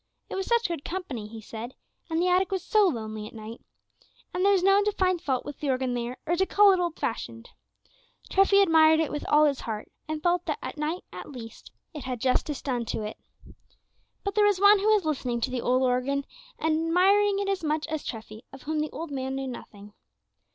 It was such good company, he said, and the attic was so lonely at night. And there was no one to find fault with the organ there, or to call it old fashioned. Treffy admired it with all his heart, and felt that at night at least it had justice done to it. But there was one who was listening to the old organ, and admiring it as much as Treffy, of whom the old man knew nothing.